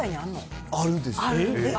あるんです。